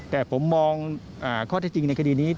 แต่ผมมองข้อเท็จจริงในคดีนี้